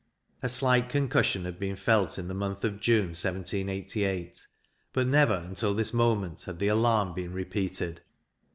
A slight concussion had been felt in the month of June, 1788; but never, until this moment, had the alarm been repeated.